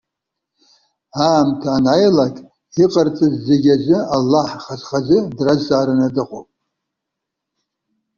Аамҭа анааилак, иҟарҵаз зегьы азы Аллаҳ хаз-хазы дразҵаараны дыҟоуп.